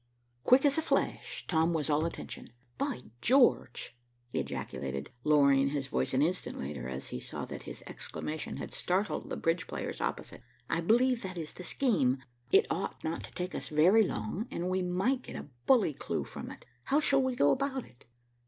'" Quick as a flash Tom was all attention. "By George," he ejaculated, lowering his voice an instant later, as he saw that his exclamation had startled the bridge players opposite. "I believe that is the scheme. It ought not to take us very long, and we might get a bully clue from it. How shall we go about it?"